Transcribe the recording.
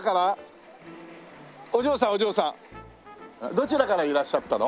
どちらからいらっしゃったの？